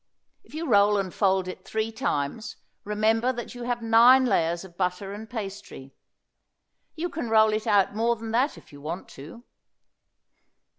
If you roll and fold it three times remember that you have nine layers of butter and pastry. You can roll it out more than that if you want to.